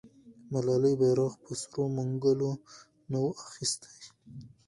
ملالۍ بیرغ په سرو منګولو نه و اخیستی.